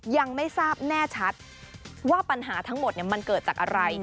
ยังไม่ทราบแน่ชัดว่าปัญหาทั้งหมดมันเกิดจากอะไร